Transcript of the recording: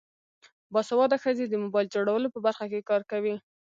باسواده ښځې د موبایل جوړولو په برخه کې کار کوي.